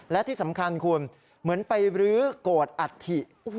และที่สำคัญคุณเหมือนไปรื้อโกรธอัฐิ